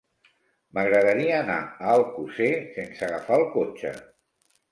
M'agradaria anar a Alcosser sense agafar el cotxe.